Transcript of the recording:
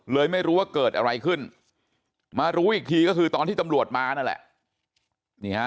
ไม่รู้ว่าเกิดอะไรขึ้นมารู้อีกทีก็คือตอนที่ตำรวจมานั่นแหละ